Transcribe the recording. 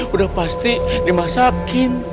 udah pasti dimasakin